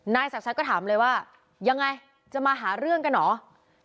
ศักดิ์ชัดก็ถามเลยว่ายังไงจะมาหาเรื่องกันเหรอ